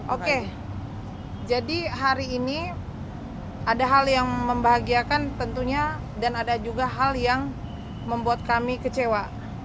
oke jadi hari ini ada hal yang membahagiakan tentunya dan ada juga hal yang membuat kami kecewa